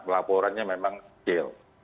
laporannya memang kecil